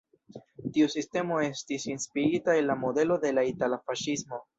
Tiu sistemo estis inspirita el la modelo de la itala faŝismo.